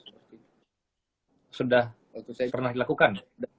sudah pernah dilakukan